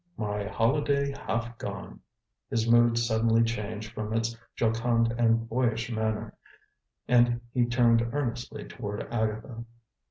"My holiday half gone!" His mood suddenly changed from its jocund and boyish manner, and he turned earnestly toward Agatha.